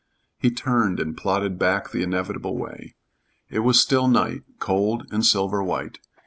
He turned and plodded back the inevitable way. It was still night cold and silver white.